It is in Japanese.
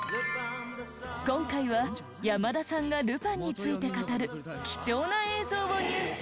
今回は山田さんがルパンについて語る貴重な映像を入手。